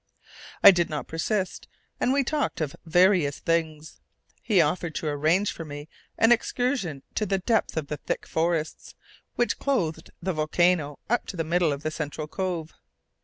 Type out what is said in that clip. I did not persist, and we talked of various things. He offered to arrange for me an excursion to the depths of the thick forests, which clothed the volcano up to the middle of the central cove.